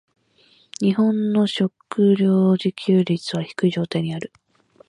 日本の食糧自給率は低い状態にある。